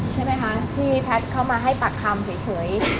ใช่ไหมคะที่แพทย์เข้ามาให้ปากคำเฉย